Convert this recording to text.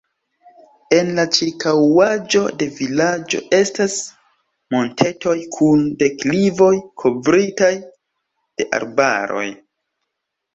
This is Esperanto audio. En la ĉirkaŭaĵo de vilaĝo estas montetoj kun deklivoj kovritaj de arbaroj.